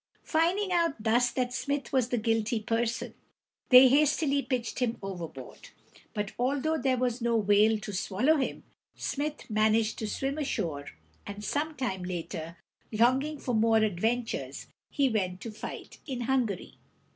Finding out thus that Smith was the guilty person, they hastily pitched him overboard. But although there was no whale to swallow him, Smith managed to swim ashore, and some time later, longing for more adventures, he went to fight in Hun´ga ry.